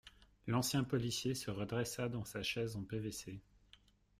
L’ancien policier se redressa dans sa chaise en PVC.